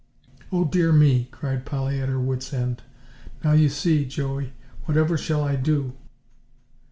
"Oh, dear me!" cried Polly at her wit's end; "now you see, Joey. Whatever shall I do?"